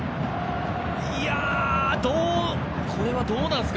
これはどうなんですか？